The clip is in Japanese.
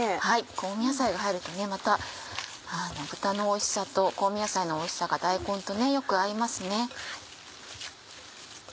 はい香味野菜が入るとまた豚のおいしさと香味野菜のおいしさが大根とよく合いますね。